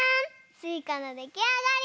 すいかのできあがり！